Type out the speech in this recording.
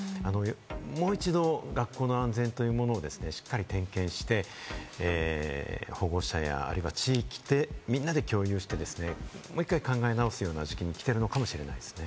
もう一度学校の安全というものをしっかり点検して、保護者や、あるいは地域でみんなで共有して、もう一回考え直すような時期に来ているのかもしれないですね。